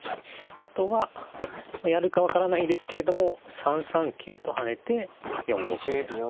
あとはやるか分からないですけれども３三桂と跳ねて４五歩を狙う。